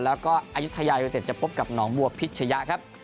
แล้วก็อายุทยายูเต็ดจะพบกับหนองบัวพิชยะครับ